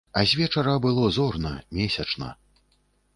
А звечара было зорна, месячна.